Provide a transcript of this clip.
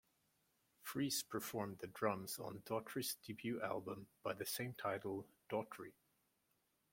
Freese performed the drums on Daughtry's debut album by the same title, "Daughtry".